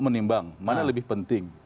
menimbang mana lebih penting